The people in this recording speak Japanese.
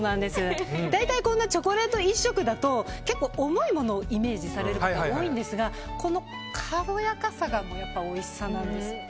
大体チョコレート一色だと結構、重いものをイメージされる方多いんですがこの軽やかさがやっぱりおいしさなんです。